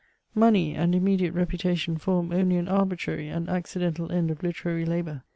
Money, and immediate reputation form only an arbitrary and accidental end of literary labour.